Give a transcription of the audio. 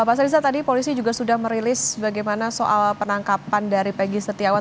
mas riza tadi polisi juga sudah merilis bagaimana soal penangkapan dari pegi setiawan